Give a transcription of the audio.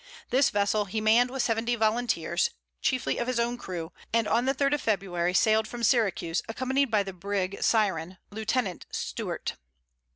This vessel he manned with seventy volunteers, chiefly of his own crew; and on the 3d of February sailed from Syracuse, accompanied by the brig Siren, lieutenant Stewart.